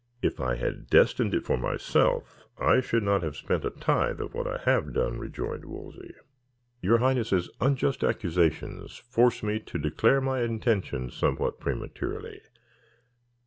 "If I had destined it for myself, I should not have spent a tithe of what I have done," rejoined Wolsey. "Your highness's unjust accusations force me to declare my intentions somewhat prematurely.